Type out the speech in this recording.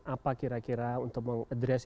apa kira kira untuk mengadres